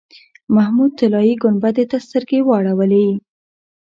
محمود طلایي ګنبدې ته سترګې واړولې.